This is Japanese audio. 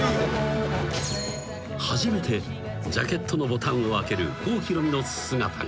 ［初めてジャケットのボタンを開ける郷ひろみの姿が］